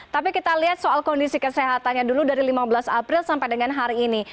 tapi kita lihat soal kondisi kesehatannya dulu dari lima belas april sampai dengan hari ini